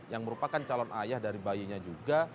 yang merupakan calon ayah dari bayinya juga